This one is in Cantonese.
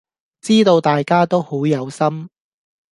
知道大家都好有心